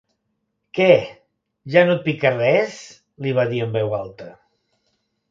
Què, ja no et pica res? —li va dir en veu alta.